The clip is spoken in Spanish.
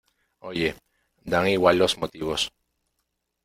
oye, dan igual los motivos ,